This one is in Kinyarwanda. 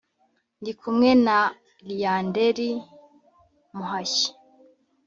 Ndi kumwe na Liyanderi Muhashyi.